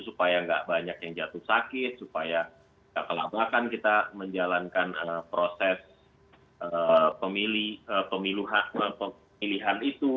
supaya nggak banyak yang jatuh sakit supaya nggak kelabakan kita menjalankan proses pemilihan itu